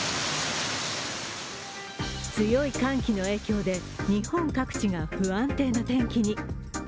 強い寒気の影響で日本各地が不安定な天気に。